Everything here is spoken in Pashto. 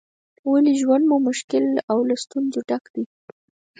ولې ژوند مو مشکل او له ستونزو ډک دی؟